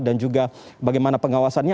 dan juga bagaimana pengawasannya